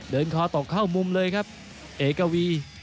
เดินคอตกเข้ามุมเลยครับเอเกอวี